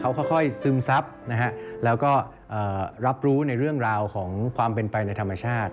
เขาค่อยซึมซับนะฮะแล้วก็รับรู้ในเรื่องราวของความเป็นไปในธรรมชาติ